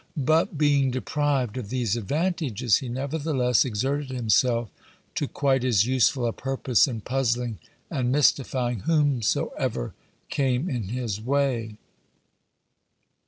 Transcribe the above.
But being deprived of these advantages, he nevertheless exerted himself to quite as useful a purpose in puzzling and mystifying whomsoever came in his way.